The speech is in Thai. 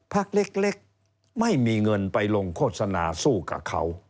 พักเล็กไม่มีเงินไปลงโฆษณาสู้กับเขา